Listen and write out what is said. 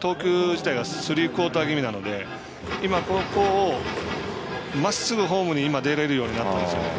投球自体はスリークオーター気味なので今、まっすぐフォームに出られるようになっています。